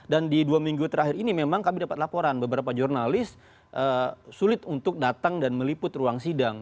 dan di dua minggu terakhir ini memang kami dapat laporan beberapa jurnalis sulit untuk datang dan meliput ruang sidang